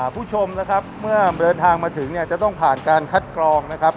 ผู้ชมเมื่อเดินทางมาถึงจะต้องผ่านการคัดกรองนะครับ